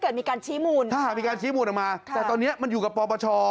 อย่างนี้มีการชี้มูลออกมาแต่ตอนนี้มันอยู่กับปปช